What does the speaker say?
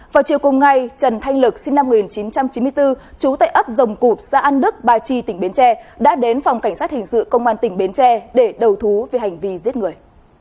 vào chiều cùng ngày trần thanh lực sinh năm một nghìn chín trăm chín mươi bốn trú tại ấp dòng cụp xã an đức ba chi tỉnh bến tre đã đến phòng cảnh sát hình sự công an tỉnh bến tre để đầu thú về hành vi giết người